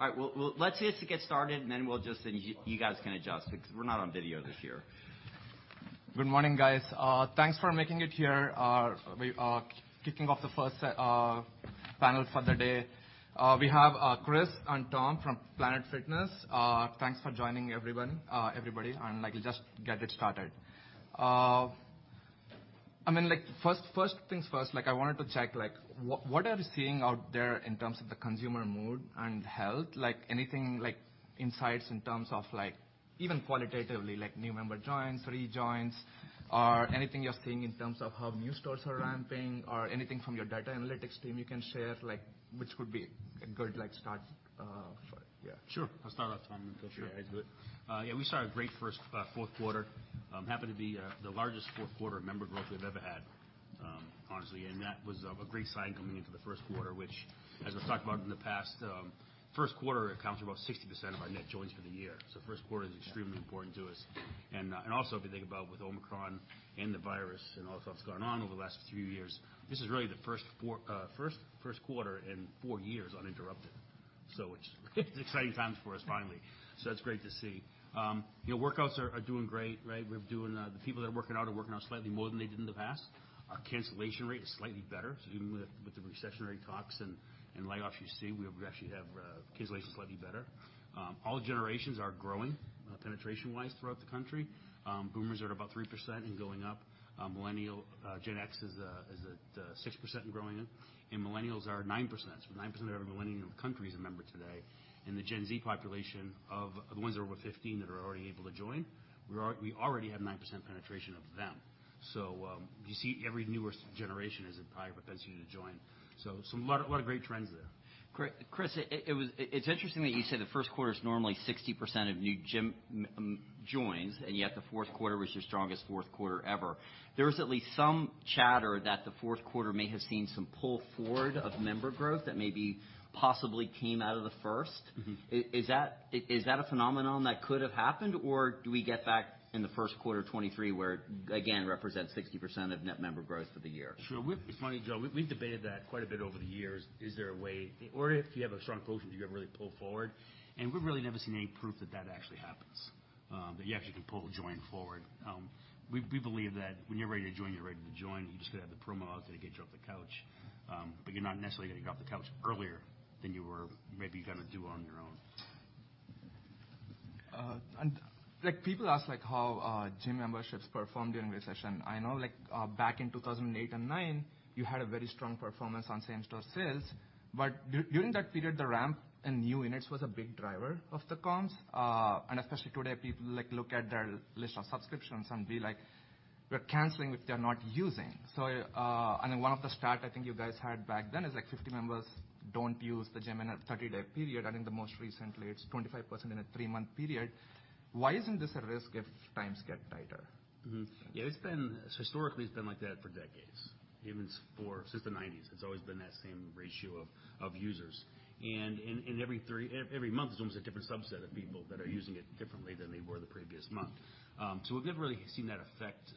All right. Well, let's just get started. You guys can adjust because we're not on video this year. Good morning, guys. Thanks for making it here. We are kicking off the first set panel for the day. We have Chris and Tom from Planet Fitness. Thanks for joining everyone, everybody, and I'll just get it started. I mean, like, first things first, like, I wanted to check, like, what are you seeing out there in terms of the consumer mood and health? Anything, like, insights in terms of like even qualitatively, like new member joins, rejoins or anything you're seeing in terms of how new stores are ramping or anything from your data analytics team you can share, like, which would be a good, like, start for it. Yeah. Sure. I'll start off, Tom, and you can share as well. Sure. Yeah, we saw a great first fourth quarter. Happened to be the largest fourth quarter member growth we've ever had, honestly, and that was of a great sign coming into the first quarter, which as I've talked about in the past, first quarter accounts for about 60% of our net joins for the year. First quarter is extremely important to us. Also if you think about with Omicron and the virus and all the stuff that's gone on over the last few years, this is really the first quarter in four years uninterrupted. It's exciting times for us finally. That's great to see. You know, workouts are doing great, right? We're doing the people that are working out are working out slightly more than they did in the past. Our cancellation rate is slightly better. Even with the recessionary talks and layoffs you see, we actually have cancellations slightly better. All generations are growing penetration-wise throughout the country. Boomers are at about 3% and going up. Gen X is at 6% and growing, and millennials are at 9%. 9% of every millennial in the country is a member today, and the Gen Z population of the ones that are over 15 that are already able to join, we already have 9% penetration of them. You see every newer generation has a higher propensity to join. Lot of great trends there. Chris, it's interesting that you say the first quarter is normally 60% of new gym joins, yet the fourth quarter was your strongest fourth quarter ever. There was at least some chatter that the fourth quarter may have seen some pull forward of member growth that maybe possibly came out of the first. Mm-hmm. Is, is that, is that a phenomenon that could have happened, or do we get back in the first quarter 2023, where it again represents 60% of net member growth for the year? Sure. It's funny, Joe, we've debated that quite a bit over the years. Is there a way or if you have a strong quotient, do you ever really pull forward? We've really never seen any proof that that actually happens, that you actually can pull a join forward. We believe that when you're ready to join, you're ready to join. You just gotta have the promo out there to get you off the couch. You're not necessarily gonna get off the couch earlier than you were maybe gonna do on your own. Like, people ask, like, how gym memberships perform during recession. I know, like, back in 2008 and 2009, you had a very strong performance on same-store sales, but during that period, the ramp in new units was a big driver of the cons. Especially today, people like, look at their list of subscriptions and be like, "We're canceling, which they're not using." One of the stat I think you guys had back then is like 50 members don't use the gym in a 30-day period. I think the most recently it's 25% in a three-month period. Why isn't this a risk if times get tighter? Yeah, historically, it's been like that for decades, since the 1990s. It's always been that same ratio of users. Every month, it's almost a different subset of people that are using it differently than they were the previous month. We've never really seen that affect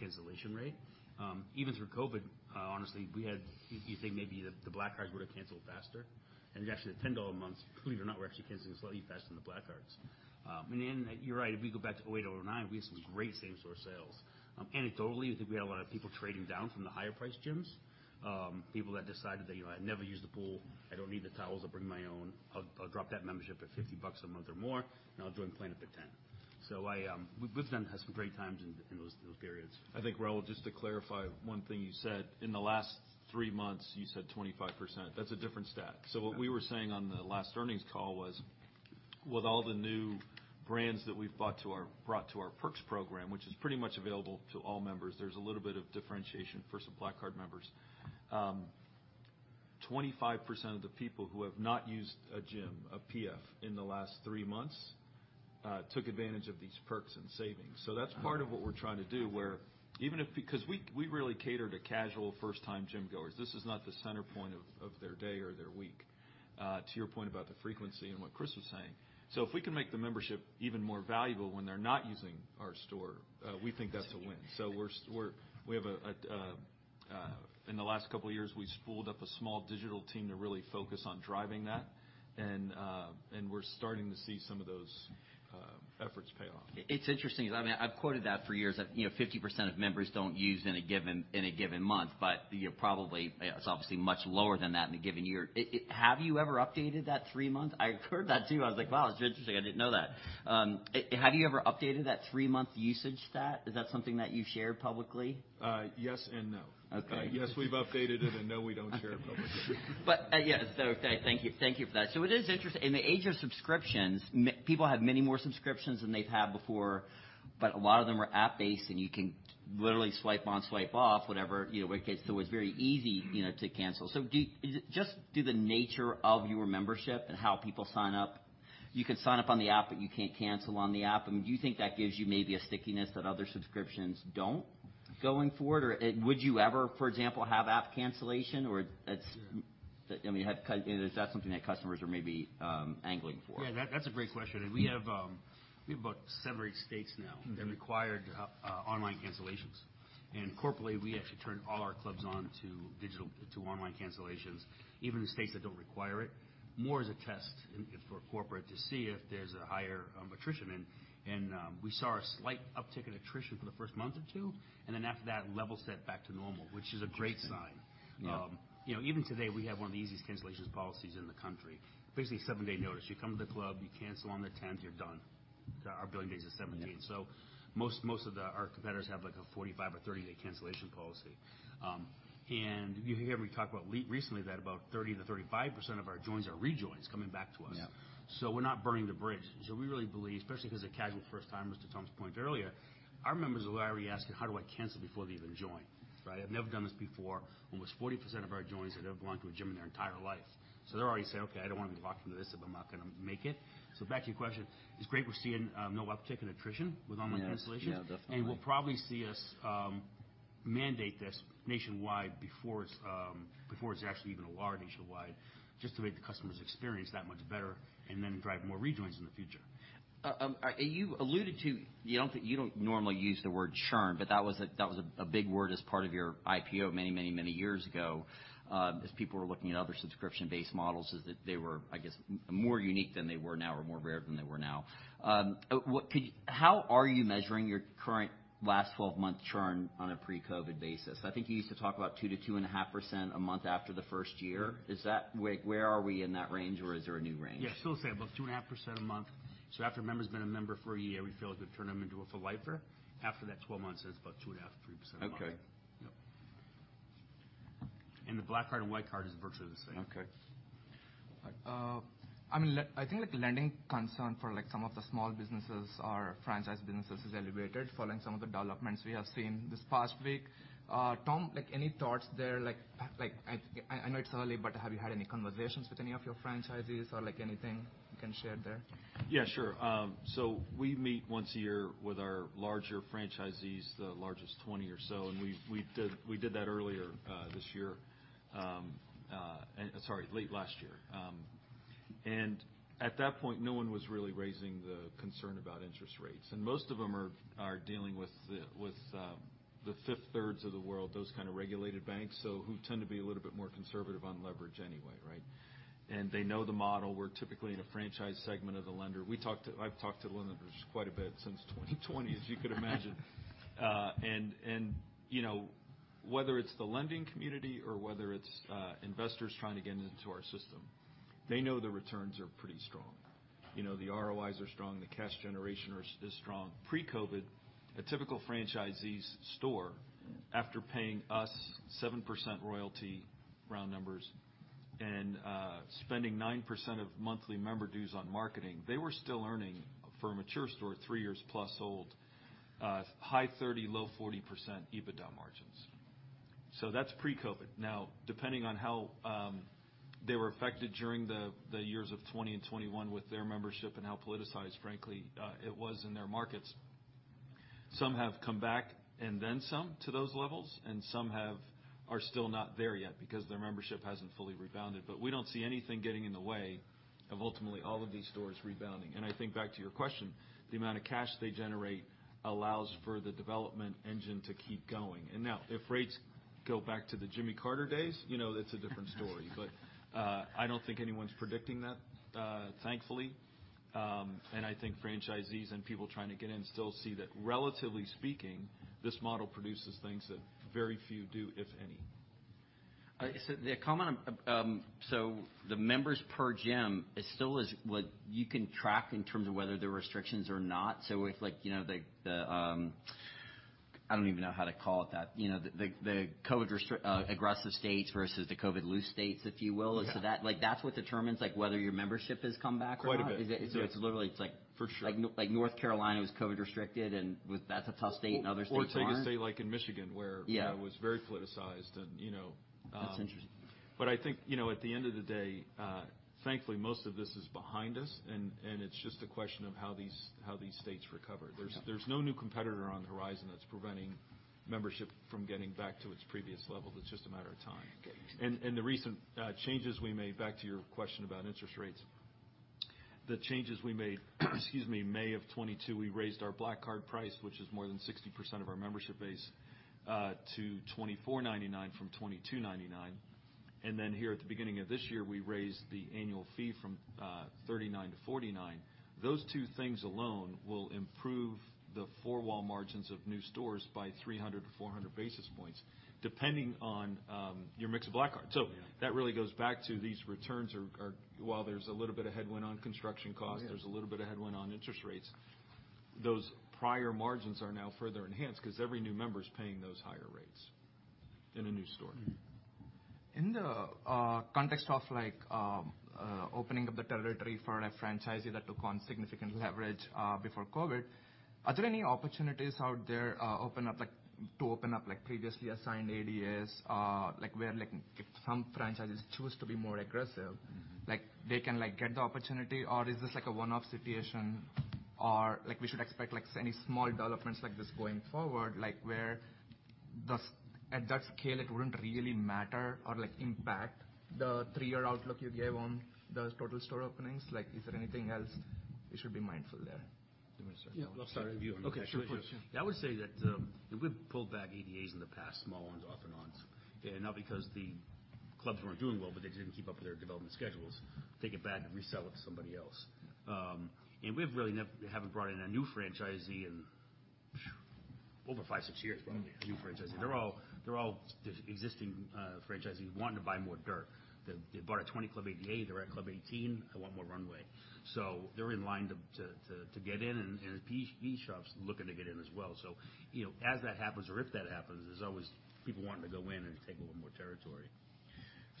cancellation rate. Even through COVID, honestly, you'd think maybe that the Black Cards would have canceled faster. Actually, the $10 a months, believe it or not, were actually canceling slightly faster than the Black Cards. You're right, if we go back to 2008, 2009, we had some great same-store sales. Anecdotally, I think we had a lot of people trading down from the higher priced gyms, people that decided that, "You know, I never use the pool. I don't need the towels. I'll bring my own. I'll drop that membership at $50 a month or more. I'll join Planet for $10. We've had some great times in those periods. I think, Raul, just to clarify one thing you said, in the last 3 months, you said 25%. That's a different stat. Okay. What we were saying on the last earnings call was, with all the new brands that we've brought to our PF Perks, which is pretty much available to all members, there's a little bit of differentiation for some Black Card members. 25% of the people who have not used a gym, a PF, in the last 3 months, took advantage of these perks and savings. That's part of what we're trying to do, where even if because we really cater to casual first-time gym goers. This is not the center point of their day or their week, to your point about the frequency and what Chris was saying. If we can make the membership even more valuable when they're not using our store, we think that's a win. We're we have a in the last couple of years, we spooled up a small digital team to really focus on driving that. We're starting to see some of those efforts pay off. It's interesting, 'cause I mean, I've quoted that for years, that, you know, 50% of members don't use in a given, in a given month, but you're probably, it's obviously much lower than that in a given year. Have you ever updated that 3 months? I heard that, too. I was like, "Wow, it's interesting. I didn't know that." Have you ever updated that 3-month usage stat? Is that something that you share publicly? Yes and no. Okay. Yes, we've updated it, and no, we don't share it publicly. Yeah. Thank you for that. It is interesting. In the age of subscriptions, people have many more subscriptions than they've had before, but a lot of them are app-based, and you can literally swipe on, swipe off, whatever, you know, so it's very easy, you know, to cancel. Just through the nature of your membership and how people sign up, you can sign up on the app, but you can't cancel on the app. I mean, do you think that gives you maybe a stickiness that other subscriptions don't going forward? Or would you ever, for example, have app cancellation? Yeah. I mean, is that something that customers are maybe? Yeah, that's a great question. We have about seven or eight states now that require online cancellations. Corporately, we actually turn all our clubs on to digital, to online cancellations, even in states that don't require it. More as a test in, for corporate to see if there's a higher attrition. We saw a slight uptick in attrition for the first month or two, and then after that level set back to normal, which is a great sign. Interesting. Yeah. You know, even today, we have one of the easiest cancellations policies in the country. Basically, 7-day notice. You come to the club, you cancel on the 10th, you're done. Our billing days is 17th. Yeah. Most of the our competitors have, like, a 45 or 30-day cancellation policy. You hear me talk about recently that about 30%-35% of our joins are rejoins coming back to us. Yeah. We're not burning the bridge. We really believe, especially 'cause of casual first-timers, to Tom's point earlier, our members will already ask you, "How do I cancel?" Before they even join, right? I've never done this before. Almost 40% of our joins have never belonged to a gym in their entire life. They're already saying, "Okay, I don't wanna be locked into this if I'm not gonna make it." Back to your question, it's great we're seeing no uptick in attrition with online cancellations. Yes. Yeah, definitely. We'll probably see us mandate this nationwide before it's actually even a law nationwide, just to make the customer's experience that much better and then drive more rejoins in the future. Are you alluded to, you don't normally use the word churn, but that was a big word as part of your IPO many, many, many years ago, as people were looking at other subscription-based models, as if they were, I guess, more unique than they were now or more rare than they were now. How are you measuring your current last 12-month churn on a pre-COVID basis? I think you used to talk about 2%-2.5% a month after the first year. Like, where are we in that range, or is there a new range? Yeah. Still say about 2.5% a month. After a member's been a member for a year, we feel like we've turned them into a for-lifer. After that 12 months, it's about 2.5%-3% a month. Okay. Yep. The Black Card and White Card is virtually the same. Okay. All right. I mean, I think, like, lending concern for, like, some of the small businesses or franchise businesses is elevated following some of the developments we have seen this past week. Tom, like, any thoughts there? Like, I know it's early, but have you had any conversations with any of your franchisees or, like, anything you can share there? Yeah, sure. We meet once a year with our larger franchisees, the largest 20 or so, we did that earlier this year. Sorry, late last year. At that point, no one was really raising the concern about interest rates, Most of them are dealing with the Fifth Third of the world, those kind of regulated banks, so who tend to be a little bit more conservative on leverage anyway, right? They know the model. We're typically in a franchise segment of the lender. I've talked to the lenders quite a bit since 2020, as you could imagine. You know, whether it's the lending community or whether it's investors trying to get into our system, they know the returns are pretty strong. You know, the ROIs are strong, the cash generation is strong. Pre-COVID, a typical franchisee's store, after paying us 7% royalty, round numbers, and spending 9% of monthly member dues on marketing, they were still earning, for a mature store, 3-years-plus old, high 30%, low 40% EBITDA margins. That's pre-COVID. Now, depending on how they were affected during the years of 2020 and 2021 with their membership and how politicized, frankly, it was in their markets, some have come back and then some to those levels, and some are still not there yet because their membership hasn't fully rebounded. We don't see anything getting in the way of ultimately all of these stores rebounding. I think back to your question, the amount of cash they generate allows for the development engine to keep going. Now, if rates go back to the Jimmy Carter days, you know, that's a different story. I don't think anyone's predicting that, thankfully. I think franchisees and people trying to get in still see that relatively speaking, this model produces things that very few do, if any. The comment, so the members per gym is still what you can track in terms of whether the restrictions or not. If, like, you know, the, I don't even know how to call it that. You know, the COVID aggressive states versus the COVID loose states, if you will. Yeah. That, like, that's what determines, like, whether your membership has come back or not? Quite a bit. Yeah. Is it so it's literally? For sure. Like North Carolina was COVID restricted and that's a tough state and other states aren't. Take a state like in Michigan where. Yeah ...It was very politicized and, you know. That's interesting. I think, you know, at the end of the day, thankfully, most of this is behind us and it's just a question of how these states recover. Yeah. There's no new competitor on the horizon that's preventing membership from getting back to its previous levels. It's just a matter of time. Got you. The recent changes we made, back to your question about interest rates, the changes we made, excuse me, May of 2022, we raised our Black Card price, which is more than 60% of our membership base, to $24.99 from $22.99. Here at the beginning of this year, we raised the annual fee from $39-$49. Those two things alone will improve the four-wall margins of new stores by 300-400 basis points, depending on your mix of Black Card. Yeah. That really goes back to these returns are while there's a little bit of headwind on construction costs... Oh, yeah. There's a little bit of headwind on interest rates. Those prior margins are now further enhanced 'cause every new member is paying those higher rates in a new store. In the context of like, opening up the territory for a franchisee that took on significant leverage, before COVID, are there any opportunities out there to open up, like previously assigned ADAs? where like if some franchises choose to be more aggressive... Mm-hmm like they can like get the opportunity? Or is this like a one-off situation? Or like we should expect like any small developments like this going forward, like where at that scale, it wouldn't really matter or like impact the three-year outlook you gave on those total store openings. Like, is there anything else we should be mindful there? Do you wanna start? Yeah. I'll start and you- Okay, sure. I would say that we've pulled back ADAs in the past, small ones off and ons. Not because the clubs weren't doing well, but they didn't keep up with their development schedules. Take it back and resell it to somebody else. We've really haven't brought in a new franchisee in, pshew, over five, six years probably. Yeah. A new franchisee. They're all just existing franchisees wanting to buy more dirt. They bought a 20 club ADA. They're at club 18. I want more Runway. They're in line to get in and PE shops looking to get in as well. You know, as that happens or if that happens, there's always people wanting to go in and take a little more territory.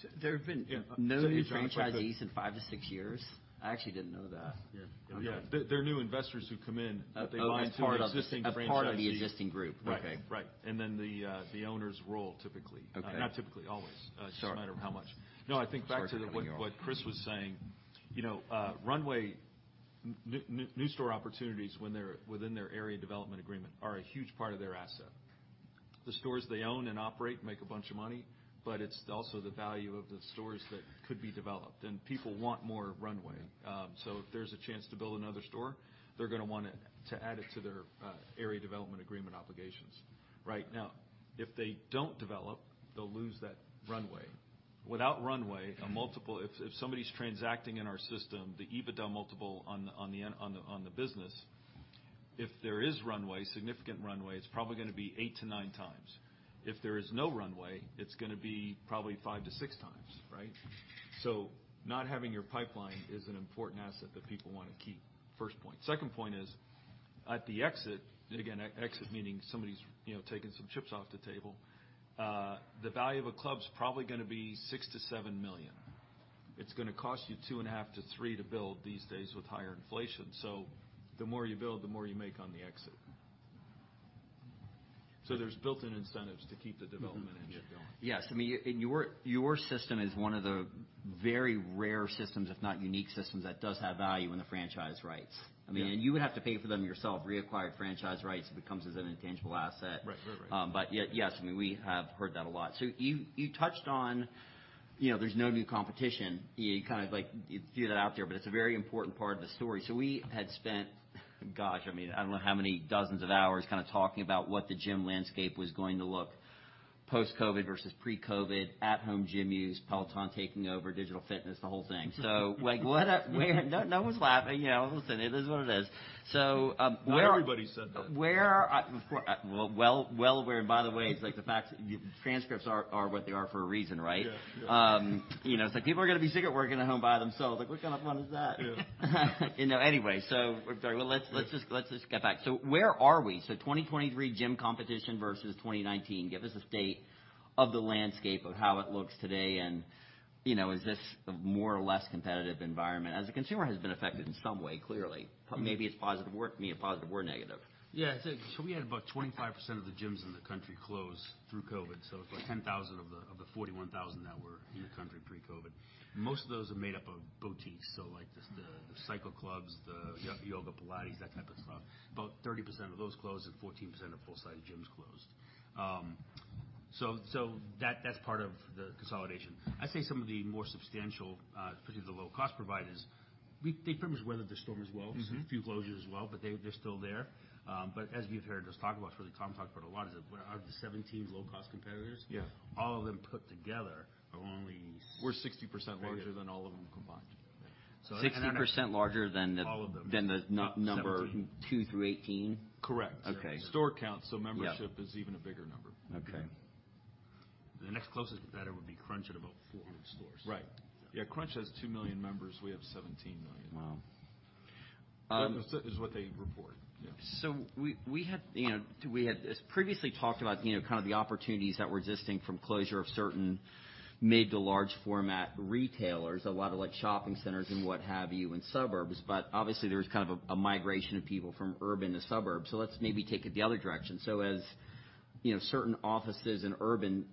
So there have been- Yeah. No new franchisees in 5-6 years? I actually didn't know that. Yeah. Okay. Yeah. There are new investors who come in that they buy into- Oh. -an existing franchisee. A part of the existing group. Right. Okay. Right. Then the owner's role typically. Okay. Not typically, always. Sure. It's just a matter of how much. I think back to the. It's hard to coming off. what Chris was saying, you know, runway new store opportunities when they're within their area development agreement are a huge part of their asset. The stores they own and operate make a bunch of money, but it's also the value of the stores that could be developed, and people want more runway. If there's a chance to build another store, they're gonna wanna to add it to their area development agreement obligations. Right now, if they don't develop, they'll lose that runway. Without runway, a multiple... If somebody's transacting in our system, the EBITDA multiple on the business, if there is runway, significant runway, it's probably gonna be 8-9x. If there is no runway, it's gonna be probably 5-6x, right? Not having your pipeline is an important asset that people wanna keep. First point. Second point is, at the exit, and again, exit meaning somebody's, you know, taking some chips off the table, the value of a club's probably gonna be $6 million-$7 million. It's gonna cost you two and a half million dollars to $3 million to build these days with higher inflation. The more you build, the more you make on the exit. There's built-in incentives to keep the development engine going. Yes. I mean, your system is one of the very rare systems, if not unique systems, that does have value in the franchise rights. Yeah. I mean, you would have to pay for them yourself. Reacquired franchise rights becomes as an intangible asset. Right. Right. Right. Yes, I mean, we have heard that a lot. You touched on, you know, there's no new competition. You kind of like you threw that out there, it's a very important part of the story. We had spent, gosh, I mean, I don't know how many dozens of hours kind of talking about what the gym landscape was going to look post-COVID versus pre-COVID, at-home gym use, Peloton taking over digital fitness, the whole thing. Like, no one's laughing. You know, listen, it is what it is. Not everybody said that. Where, well aware. By the way, it's like the fact. Transcripts are what they are for a reason, right? Yes. Yes. You know, it's like people are gonna be sick of working at home by themselves. Like, what kind of fun is that? Yeah. You know, anyway, so sorry. Well, let's just get back. Where are we? 2023 gym competition versus 2019, give us a state of the landscape of how it looks today, and, you know, is this a more or less competitive environment? As a consumer has been affected in some way, clearly. Mm-hmm. Maybe it's positive or, to me, a positive or negative. Yeah. So we had about 25% of the gyms in the country close through COVID, so it's like 10,000 of the 41,000 that were in the country pre-COVID. Most of those are made up of boutiques, so like just the cycle clubs. Yeah... yoga, Pilates, that type of stuff. About 30% of those closed and 14% of full-sized gyms closed. That's part of the consolidation. I'd say some of the more substantial, particularly the low-cost providers, they pretty much weathered the storm as well. Mm-hmm. Saw a few closures as well, but they're still there. As you've heard us talk about, surely Tom talked about a lot, is that out of the 17 low-cost competitors. Yeah all of them put together are. We're 60% larger than all of them combined. So- 60% larger than the- All of them. Than the number Seventeen... 2-18? Correct. Okay. Store count, so membership- Yeah... is even a bigger number. Okay. The next closest competitor would be Crunch at about 400 stores. Right. Yeah, Crunch has 2 million members. We have 17 million. Wow. Is what they report? Yeah. We had, you know, we had previously talked about, you know, kind of the opportunities that were existing from closure of certain mid to large format retailers, a lot of like shopping centers and what have you in suburbs. Obviously, there was kind of a migration of people from urban to suburbs. Let's maybe take it the other direction. As, you know, certain offices in urban,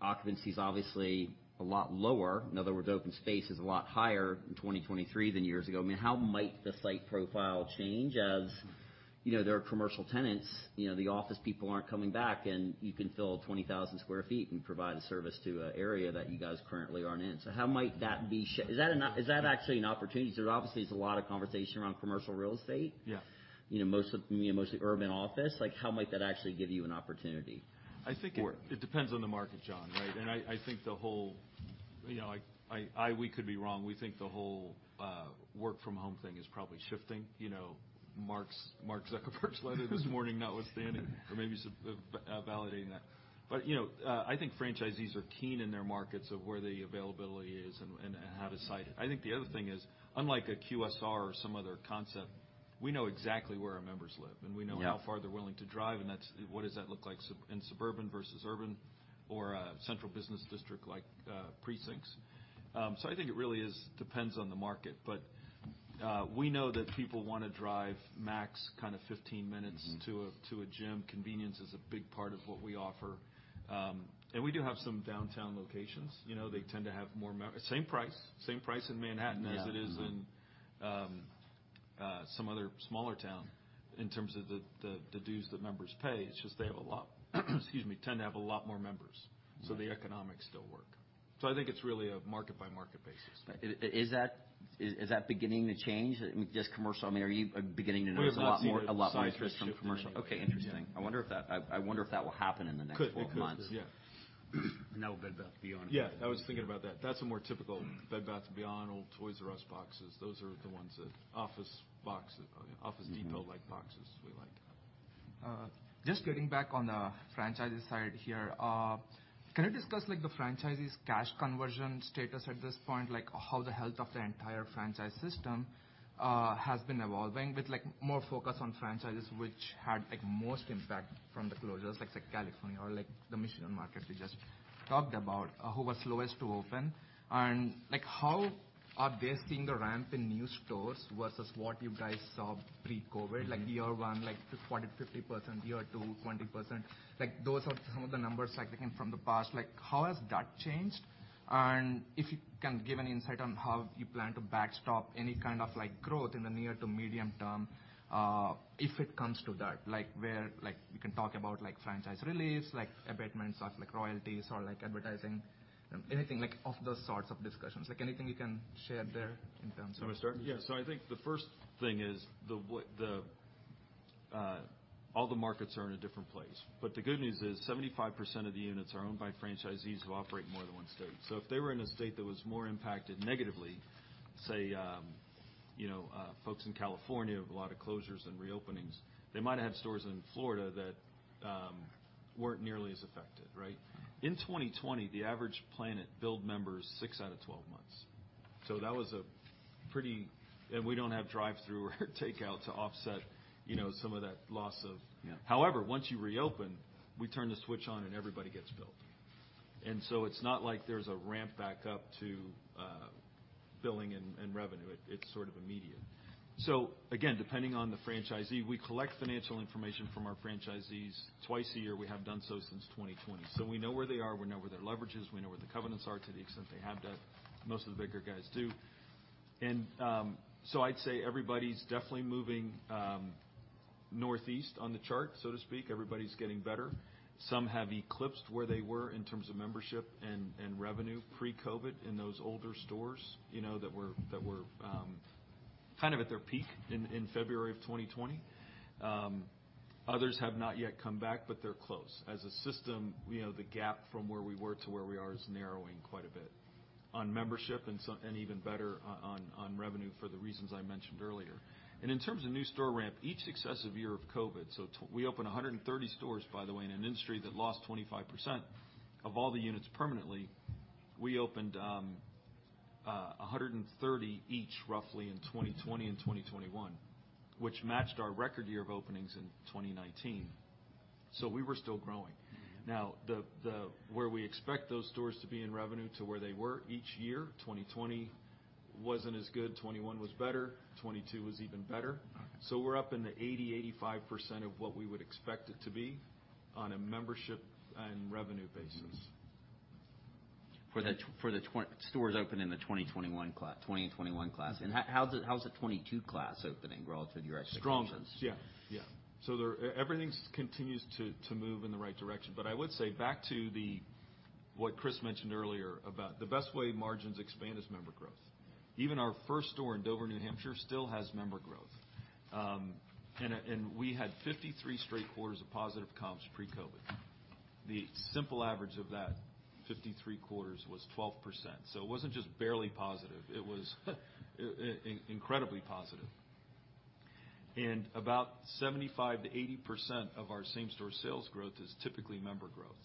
occupancy is obviously a lot lower. In other words, open space is a lot higher in 2023 than years ago. I mean, how might the site profile change as, you know, there are commercial tenants, you know, the office people aren't coming back, and you can fill 20,000 sq ft and provide a service to a area that you guys currently aren't in. How might that be? Is that an op... Is that actually an opportunity? Obviously, there's a lot of conversation around commercial real estate. Yeah. You know, most of, you know, mostly urban office. Like, how might that actually give you an opportunity? I think it depends on the market, John, right? I think. You know, I. We could be wrong. We think the whole work from home thing is probably shifting. You know, Mark Zuckerberg's letter this morning notwithstanding or maybe validating that. You know, I think franchisees are keen in their markets of where the availability is and have a site. I think the other thing is, unlike a QSR or some other concept, we know exactly where our members live, and we know- Yeah how far they're willing to drive, and that's. What does that look like sub, in suburban versus urban or central business district like precincts. I think it really is depends on the market. We know that people wanna drive max kind of 15 minutes. Mm-hmm... to a gym. Convenience is a big part of what we offer. We do have some downtown locations. You know, they tend to have more Same price, same price in Manhattan. Yeah. Mm-hmm As it is in, some other smaller town in terms of the dues that members pay. It's just they, excuse me, tend to have a lot more members. Right. The economics still work. I think it's really a market-by-market basis. Is that beginning to change? Just commercial, I mean, are you beginning to notice a lot more- We have not seen a seismic shift in. A lot more interest from commercial. Okay, interesting. Yeah. I wonder if that will happen in the next four months. Could, it could. Yeah. now Bed Bath & Beyond. Yeah, I was thinking about that. That's a more typical Bed Bath & Beyond, old Toys R Us boxes. Those are the ones that Office Depot-like boxes we like to have. Just getting back on the franchise side here. Can you discuss like the franchisee's cash conversion status at this point? Like, how the health of the entire franchise system has been evolving with like more focus on franchises which had like most impact from the closures, like say, California or like the Michigan market we just talked about, who was slowest to open. Like, how are they seeing the ramp in new stores versus what you guys saw pre-COVID? Mm-hmm. Like year one, like 40%, 50%, year two, 20%. Like, those are some of the numbers, like, again, from the past. Like, how has that changed? If you can give any insight on how you plan to backstop any kind of like growth in the near to medium term, if it comes to that, like where, like you can talk about like franchise release, like abatements of like royalties or like advertising. Anything like of those sorts of discussions. Like anything you can share there in terms of. You want me to start? Yeah. I think the first thing is the all the markets are in a different place. The good news is 75% of the units are owned by franchisees who operate more than one state. If they were in a state that was more impacted negatively, say, you know, folks in California have a lot of closures and reopenings, they might have stores in Florida that weren't nearly as affected, right? In 2020, the average Planet billed members 6 out of 12 months. We don't have drive-thru or takeout to offset, you know, some of that loss. Yeah. Once you reopen, we turn the switch on and everybody gets billed. It's not like there's a ramp back up to billing and revenue. It's sort of immediate. Again, depending on the franchisee, we collect financial information from our franchisees twice a year. We have done so since 2020. We know where they are, we know where their leverage is, we know where the covenants are to the extent they have that. Most of the bigger guys do. I'd say everybody's definitely moving northeast on the chart, so to speak. Everybody's getting better. Some have eclipsed where they were in terms of membership and revenue pre-COVID in those older stores, you know, that were kind of at their peak in February of 2020. Others have not yet come back, they're close. As a system, you know, the gap from where we were to where we are is narrowing quite a bit on membership and even better on revenue for the reasons I mentioned earlier. In terms of new store ramp, each successive year of COVID, we opened 130 stores, by the way, in an industry that lost 25% of all the units permanently. We opened 130 each roughly in 2020 and 2021, which matched our record year of openings in 2019. We were still growing. Mm-hmm. Now, the where we expect those stores to be in revenue to where they were each year, 2020 wasn't as good, 2021 was better, 2022 was even better. Okay. We're up in the 80%-85% of what we would expect it to be on a membership and revenue basis. Mm-hmm. For the stores open in the 2021 20 and 21 class. How's the 22 class opening relative to your expectations Strong. Yeah. Yeah. There, everything continues to move in the right direction. I would say back to what Chris mentioned earlier about the best way margins expand is member growth. Even our first store in Dover, New Hampshire, still has member growth. We had 53 straight quarters of positive comps pre-COVID. The simple average of that 53 quarters was 12%. It wasn't just barely positive. It was incredibly positive. About 75%-80% of our same-store sales growth is typically member growth.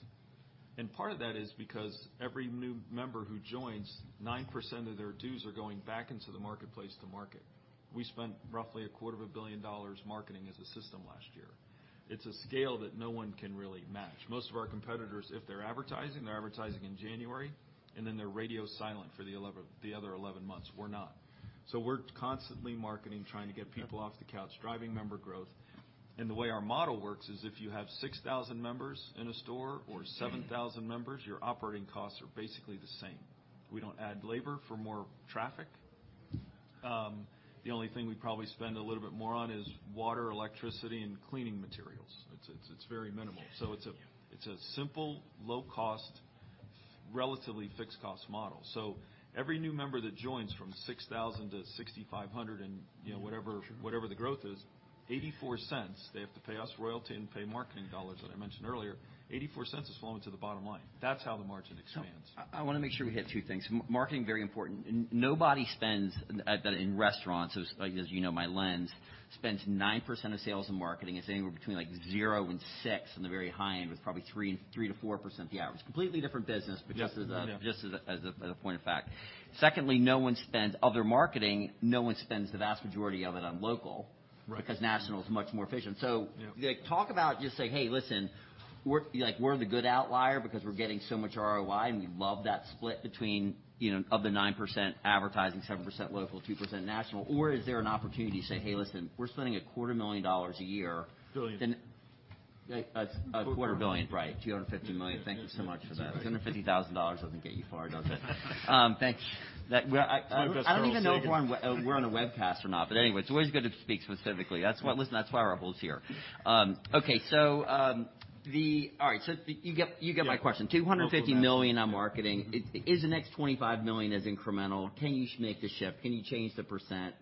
Part of that is because every new member who joins, 9% of their dues are going back into the marketplace to market. We spent roughly a quarter of a billion dollars marketing as a system last year. It's a scale that no one can really match. Most of our competitors, if they're advertising, they're advertising in January, then they're radio silent for the other 11 months. We're not. We're constantly marketing, trying to get people off the couch, driving member growth. The way our model works is if you have 6,000 members in a store or 7,000 members, your operating costs are basically the same. We don't add labor for more traffic. The only thing we probably spend a little bit more on is water, electricity, and cleaning materials. It's very minimal. It's a simple, low-cost, relatively fixed-cost model. Every new member that joins from 6,000-6,500 and, you know, whatever- Sure. Whatever the growth is, $0.84, they have to pay us royalty and pay marketing dollars that I mentioned earlier. $0.84 is flowing to the bottom line. That's how the margin expands. I wanna make sure we hit two things. Marketing, very important. Nobody spends in restaurants, like, as you know, my lens, spends 9% of sales and marketing. It's anywhere between like 0% and 6% on the very high end, with probably 3%-4% the average. Completely different business. Yeah. Just. Yeah. Just as a point of fact. Secondly, of their marketing, no one spends the vast majority of it on local. Right. Because national is much more efficient. Yeah. Talk about just say, "Hey, listen, we're the good outlier because we're getting so much ROI, and we love that split between, you know, of the 9% advertising, 7% local, 2% national." Or is there an opportunity to say, "Hey, listen, we're spending a quarter million dollars a year..."? Billion. Like a quarter billion dollars. Right. $250 million. Thank you so much for that. $750,000 doesn't get you far, does it? Thank you. Like, we're. It's one of those things where. I don't even know if we're on a, we're on a webcast or not, anyway, it's always good to speak specifically. That's what. Listen, that's why we're all here. Okay. All right. You get my question. $250 million on marketing. Is the next $25 million as incremental? Can you make the shift? Can you change the percent?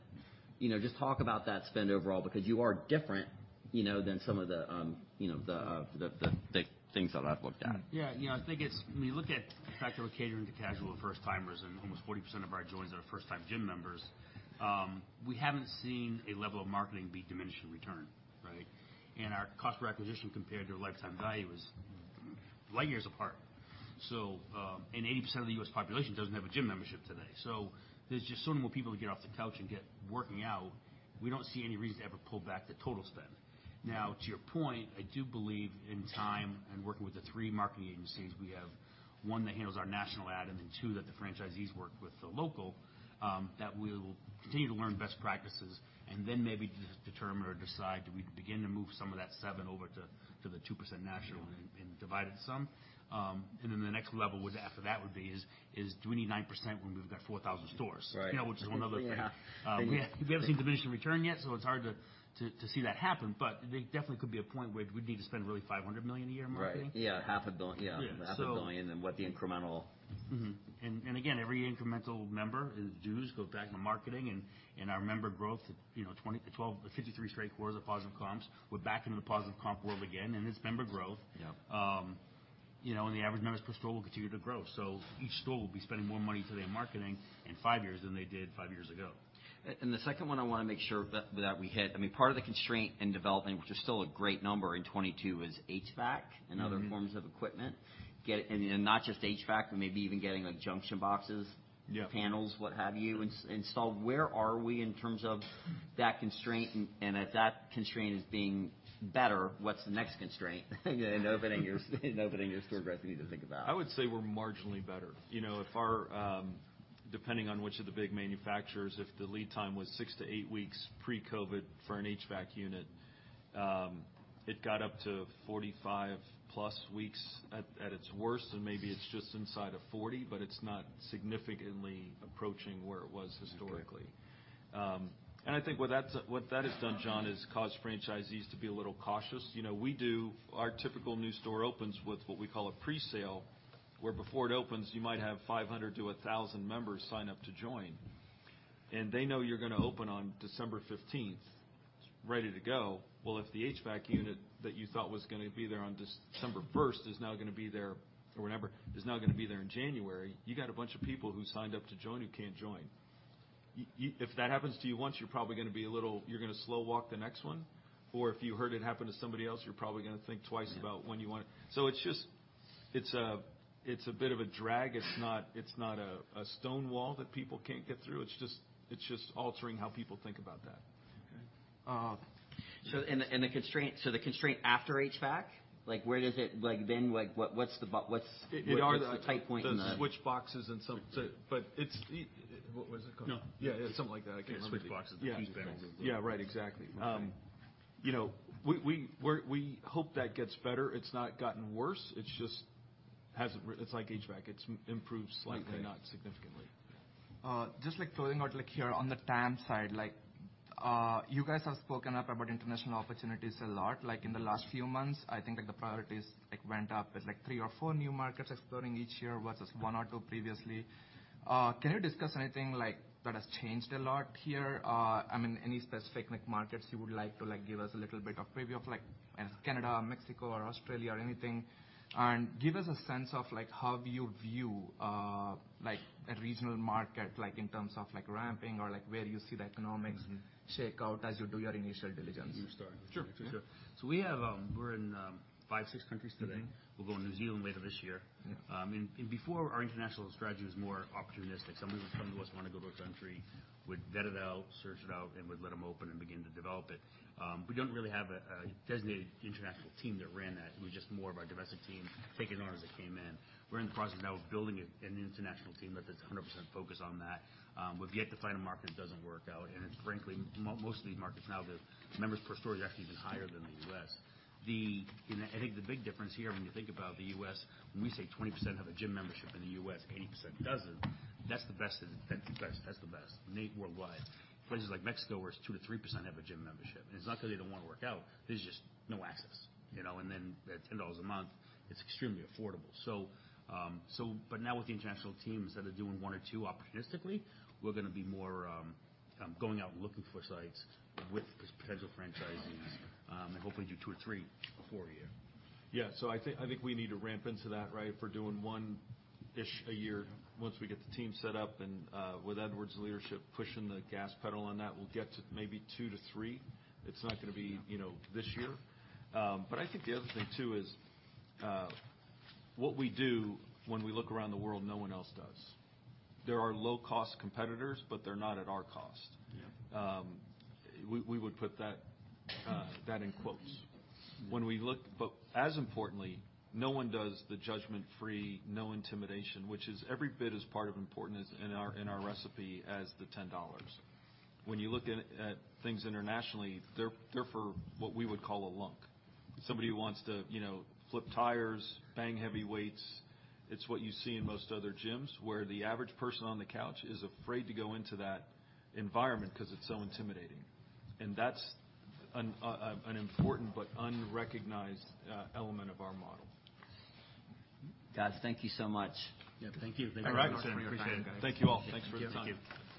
You know, just talk about that spend overall because you are different, you know, than some of the things that I've looked at. Yeah. You know, I think it's when you look at the fact that we're catering to casual and first-timers, and almost 40% of our joins are first-time gym members, we haven't seen a level of marketing be diminished in return, right? Our Cost Per Acquisition compared to our Lifetime Value is light years apart. 80% of the U.S. population doesn't have a gym membership today. There's just so many more people to get off the couch and get working out. We don't see any reason to ever pull back the total spend. Now, to your point, I do believe in time and working with the three marketing agencies, we have one that handles our national ad and then two that the franchisees work with the local, that we'll continue to learn best practices and then maybe determine or decide, do we begin to move some of that 7% over to the 2% national and divide it some. The next level would after that would be do we need 9% when we've got 4,000 stores? Right. You know, which is one other thing. Yeah. We haven't seen diminishing return yet. It's hard to see that happen. There definitely could be a point where we'd need to spend really $500 million a year in marketing. Right. Yeah. Half a bill- Yeah. Yeah, half a billion. What the incremental... Mm-hmm. Again, every incremental member is dues. Go back to marketing and our member growth, you know, 20, 12, 53 straight quarters of positive comps. We're back into the positive comp world again. It's member growth. Yeah. You know, the average members per store will continue to grow. Each store will be spending more money today in marketing in five years than they did five years ago. The second one, I wanna make sure that we hit. I mean, part of the constraint in developing, which is still a great number in 22, is HVAC and other forms of equipment. Not just HVAC, but maybe even getting like junction boxes. Yeah. -panels, what have you, installed. Where are we in terms of that constraint? If that constraint is being better, what's the next constraint in opening your store growth that you need to think about? I would say we're marginally better. You know, if our, Depending on which of the big manufacturers, if the lead time was 6 to 8 weeks pre-COVID for an HVAC unit, it got up to 45+ weeks at its worst, and maybe it's just inside of 40, but it's not significantly approaching where it was historically. I think what that's, what that has done, John, is caused franchisees to be a little cautious. You know, our typical new store opens with what we call a presale, where before it opens, you might have 500 to 1,000 members sign up to join. They know you're gonna open on December 15th, ready to go. Well, if the HVAC unit that you thought was gonna be there on December first is now gonna be there or whenever, is now gonna be there in January, you got a bunch of people who signed up to join, who can't join. If that happens to you once, you're probably gonna be a little. You're gonna slow walk the next one, or if you heard it happen to somebody else, you're probably gonna think twice about when you want it. It's just. It's a, it's a bit of a drag. It's not, it's not a stone wall that people can't get through. It's just, it's just altering how people think about that. Okay. and the constraint, the constraint after HVAC, like where does it like bend? Like what's the? It What's the tight point in? The switch boxes and some... it's... What was it called? No. Yeah, something like that. I can't remember the- Switch boxes, the keypads. Yeah. Yeah. Right. Exactly. you know, we hope that gets better. It's not gotten worse. It's just hasn't it's like HVAC. It's improved slightly, not significantly. Okay. Just like closing out, like here on the TAM side, like, you guys have spoken up about international opportunities a lot. In the last few months, I think like the priorities like went up with like three or four new markets exploring each year versus one or two previously. Can you discuss anything like that has changed a lot here? I mean, any specific like markets you would like to like give us a little bit of preview of like, Canada or Mexico or Australia or anything. Give us a sense of like how do you view, like a regional market, like in terms of like ramping or like where do you see the economics shake out as you do your initial diligence? You start. Sure. Sure. We're in 5, 6 countries today. Mm-hmm. We're going New Zealand later this year. Before our international strategy was more opportunistic. Someone of us wanna go to a country, we'd vet it out, search it out, and would let them open and begin to develop it. We don't really have a designated international team that ran that. It was just more of our domestic team taking on as it came in. We're in the process now of building an international team that is 100% focused on that. We've yet to find a market that doesn't work out. Frankly, most of these markets now, the members per store is actually even higher than the U.S. I think the big difference here, when you think about the US, when we say 20% have a gym membership in the US, 80% doesn't, that's the best worldwide. Places like Mexico, where it's 2%-3% have a gym membership, and it's not cause they don't wanna work out. There's just no access. You know, at $10 a month, it's extremely affordable. Now with the international teams that are doing one or two opportunistically, we're gonna be more going out and looking for sites with potential franchisees, and hopefully do two or three a four year. I think we need to ramp into that, right? If we're doing 1-ish a year, once we get the team set up and with Edward's leadership pushing the gas pedal on that, we'll get to maybe 2-3. It's not gonna be, you know, this year. I think the other thing too is what we do when we look around the world, no one else does. There are low-cost competitors, but they're not at our cost. Yeah. We would put that that in quotes. When we look. As importantly, no one does the Judgement Free, no intimidation, which is every bit as part of important as in our recipe as the $10. When you look at at things internationally, they're for what we would call a lunk. Somebody who wants to, you know, flip tires, bang heavy weights. It's what you see in most other gyms, where the average person on the couch is afraid to go into that environment 'cause it's so intimidating. That's an important but unrecognized element of our model. Guys, thank you so much. Yeah. Thank you. All right. Appreciate it. Thank you all. Thanks for your time. Thank you.